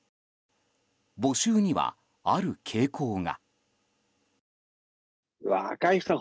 募集には、ある傾向が。